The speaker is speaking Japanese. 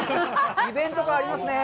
イベント感がありますね。